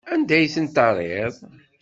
Anda ay ten-terriḍ?